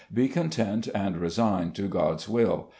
... Be content and resigned to God's will.